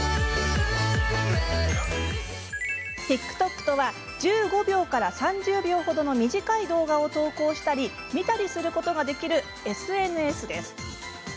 ＴｉｋＴｏｋとは１５秒から３０秒ほどの短い動画を投稿したり見たりすることができるＳＮＳです。